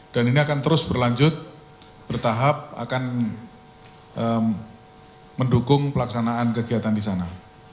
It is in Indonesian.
dan ini akan terus berlanjut bertahap akan mendukung pelaksanaan kegiatan di sana